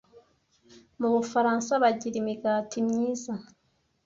Mu Bufaransa bagira imigati myiza